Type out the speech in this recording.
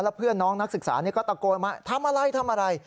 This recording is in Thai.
เพื่อนน้องนักศึกษาก็ตะโกนมาทำอะไรทำอะไร